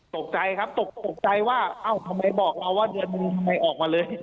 ตกใจครับตกใจว่าเอ้าทำไมบอกเราว่าเดือนหนึ่งทำไมออกมาเลย